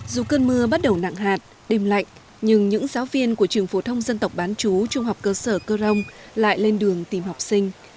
dù cơn mưa bắt đầu nặng hạt đêm lạnh nhưng những giáo viên của trường phổ thông dân tộc bán chú trung học cơ sở cơ rông lại lên đường tìm học sinh